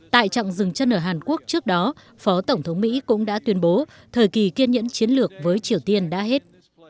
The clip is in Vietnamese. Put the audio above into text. tại trạng rừng chân ở hàn quốc trước đó phó tổng thống mỹ cũng đã tuyên bố thời kỳ kiên nhẫn chiến lược với triều tiên đã hết